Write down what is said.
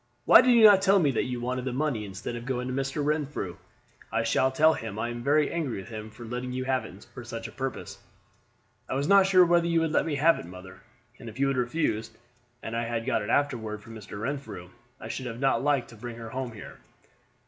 "Why did you not tell me that you wanted the money instead of going to Mr. Renfrew? I shall tell him I am very angry with him for letting you have it for such a purpose." "I was not sure whether you would let me have it, mother; and if you had refused, and I had got it afterward from Mr. Renfrew, I should not have liked to bring her home here."